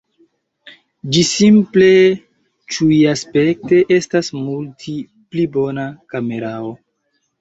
Ĝi simple ĉiuaspekte estas multi pli bona kamerao.